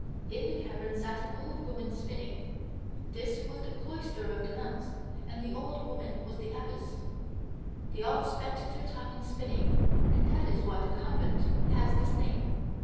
In the cavern sat an old woman spinning. This was the cloister of the nuns, and the old woman was the Abbess. They all spent their time in spinning, and that is why the convent has this name.